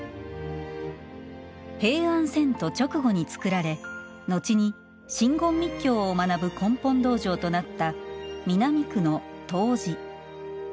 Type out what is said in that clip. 平安遷都直後に造られ、後に真言密教を学ぶ根本道場となった南区の東寺。